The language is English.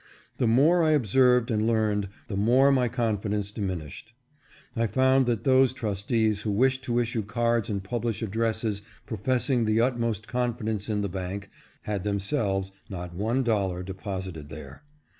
The more I observed and learned the .more my confidence diminished. I found that those trustees who wished to issue cards and publish addresses professing the utmost confidence in the bank, had them selves not one dollar deposited there.